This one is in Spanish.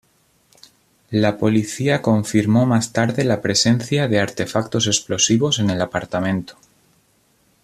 La policía confirmó más tarde la presencia de artefactos explosivos en el apartamento.